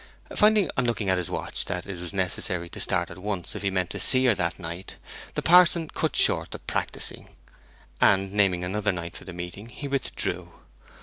Finding, on looking at his watch, that it was necessary to start at once if he meant to see her that night, the parson cut short the practising, and, naming another night for meeting, he withdrew.